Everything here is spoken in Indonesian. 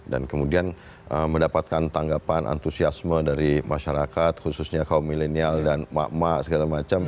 dan kemudian mendapatkan tanggapan antusiasme dari masyarakat khususnya kaum milenial dan mak mak segala macam